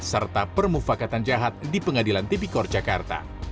serta permufakatan jahat di pengadilan tipikor jakarta